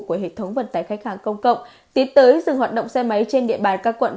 của hệ thống vận tải khách hàng công cộng tiến tới dừng hoạt động xe máy trên địa bàn các quận